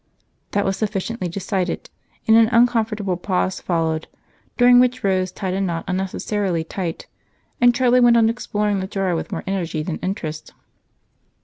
That was sufficiently decided and an uncomfortable pause followed, during which Rose tied a knot unnecessarily tight and Charlie went on exploring the drawer with more energy than interest.